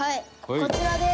こちらです。